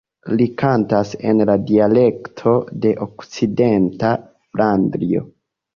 Li kantas en la dialekto de Okcidenta Flandrio.